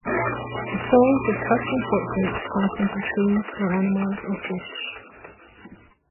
The souls of such unfortunates pass into trees or animals or fish.